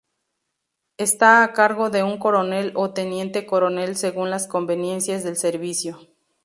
Está á cargo de un coronel ó teniente coronel según las conveniencias del servicio.